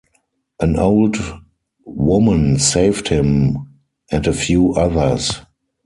An old woman saved him and a few others.